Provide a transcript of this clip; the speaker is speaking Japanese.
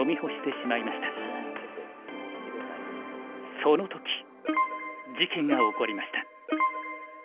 その時事件が起こりました。